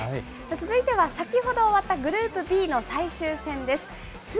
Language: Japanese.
続いては、先ほど終わったグループＢの最終戦です。